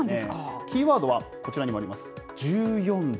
キーワードは、こちらにもあります、１４度。